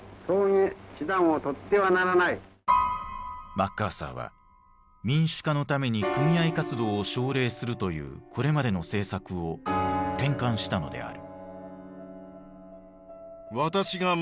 マッカーサーは民主化のために組合活動を奨励するというこれまでの政策を転換したのである。